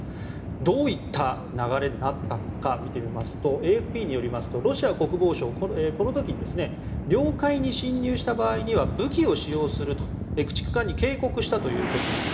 どういった流れになったのか見てみますとＡＦＰによりますとロシア国防相領海に侵入した場合には武器を使用すると駆逐艦に警告したということです。